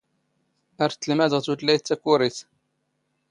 ⴰⵔ ⵜⵜⵍⵎⴰⴷⵖ ⵜⵓⵜⵍⴰⵢⵜ ⵜⴰⴽⵓⵔⵉⵜ.